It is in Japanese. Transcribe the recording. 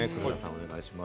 お願いしま